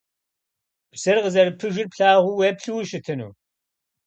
Псыр къызэрыпыжыр плъагъуу, уеплъу ущытыну?